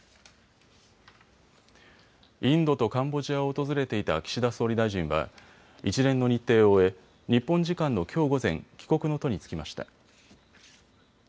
インドとカンボジアを訪れていた岸田総理大臣は一連の日程を終え日本時間のきょう午前、帰国の途に就きました。